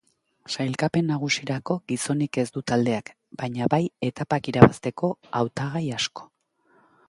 Sailkapen nagusirako gizonik ez du taldeak, baina bai etapak irabazteko hautagai asko.